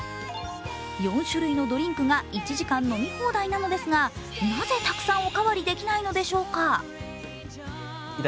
４種類のドリンクが１時間、飲み放題なのですがなぜたくさんおかわりできないのでしょうか？